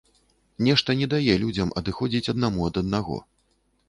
Нешта не дае людзям адыходзіць аднаму ад аднаго.